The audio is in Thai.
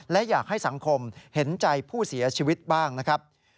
และอยากให้สังคมเห็นใจผู้เสียชีวิตบ้างนะครับ